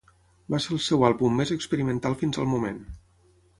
Va ser el seu àlbum més experimental fins al moment.